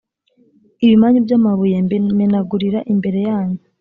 ibimanyu by’amabuye mbimenagurira imbere yanyu.